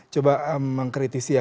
coba mengkritisi ya